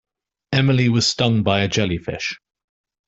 Emily was stung by a jellyfish.